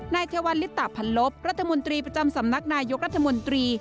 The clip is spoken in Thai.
นายเทวาลิตราภัณฑ์ลบรัฐมนตรีประจำสำนักนายยกรัฐมนตรี